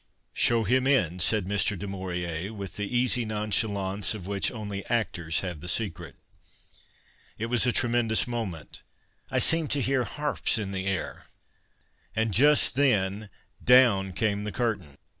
" Show him in," said Mr, du Maurier with the easy nonchalance of which only actors have the secret. It was a tremendous moment. I seemed to hear harps in the air. And just then, do\\Ti came the curtain